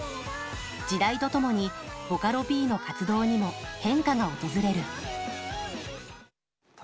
時代とともにボカロＰの活動にも変化が訪れる。